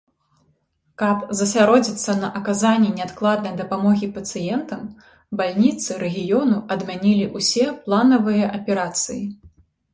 Каб засяродзіцца на аказанні неадкладнай дапамогі пацыентам, бальніцы рэгіёну адмянілі ўсе планавыя аперацыі.